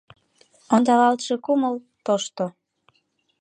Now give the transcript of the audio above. Ондалалтше кумыл – тошто.